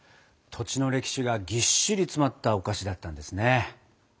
土地の歴史がぎっしり詰まったお菓子だったんですね。